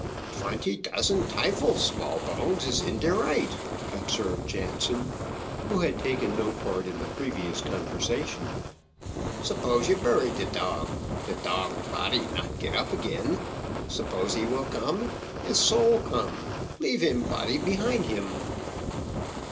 "Twenty dozen tyfels, Smallbones is in de right," observed Jansen, who had taken no part in the previous conversation. "Suppose you bury de dog, de dog body not get up again. Suppose he will come, his soul come, leave him body behind him."